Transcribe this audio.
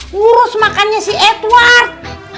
ngurus makannya si edward